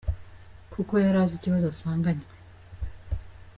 " Kuko yari azi ikibazo asanganywe.